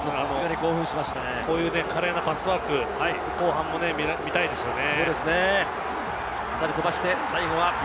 こういう華麗なパスワーク、後半も見たいですよね。